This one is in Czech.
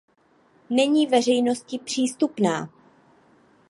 Není veřejnosti přístupná.